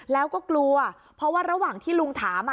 แล้วก็กลัวเพราะว่าระหว่างที่ลุงถาม